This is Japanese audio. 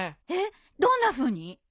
えっどんなふうに？